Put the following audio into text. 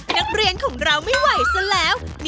นักเรียนของเราไม่ไหวซะแล้ว